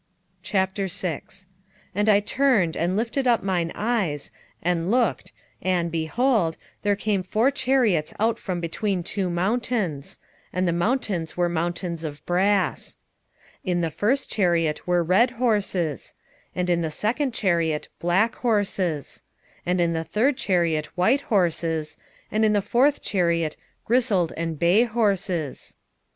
6:1 And I turned, and lifted up mine eyes, and looked, and, behold, there came four chariots out from between two mountains; and the mountains were mountains of brass. 6:2 In the first chariot were red horses; and in the second chariot black horses; 6:3 And in the third chariot white horses; and in the fourth chariot grisled and bay horses.